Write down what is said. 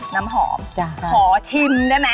น้ำหอม